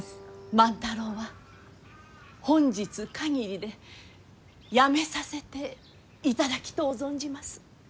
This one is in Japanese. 万太郎は本日限りでやめさせていただきとう存じます。